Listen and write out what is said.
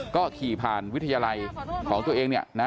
ก็ขี่ผ่านวิทยาลัยของตัวเองเนี่ยนะ